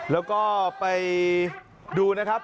แล้วก็ไปดูนะครับ